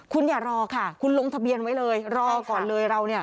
คุณอย่ารอค่ะคุณลงทะเบียนไว้เลยรอก่อนเลยเราเนี่ย